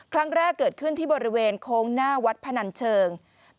ครั้งแรกเกิดขึ้นที่บริเวณโค้งหน้าวัดพนันเชิง